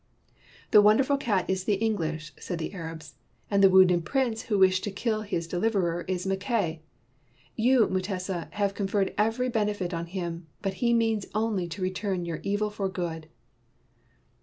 "The wonderful cat is the English," said the Arabs, "and the wounded prince who wished to kill his deliverer is Mackay. You, Mutesa, have conferred every benefit on him 5 but he means only to return you evil for good